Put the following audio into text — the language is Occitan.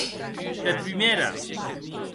De prumèra!